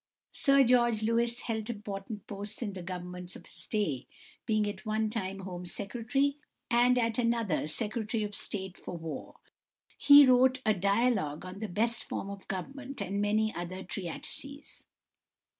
=Sir George Lewis (1806 1863)= held important posts in the Governments of his day, being at one time Home Secretary and at another Secretary of State for War. He wrote "A Dialogue on the Best Form of Government" and many other treatises.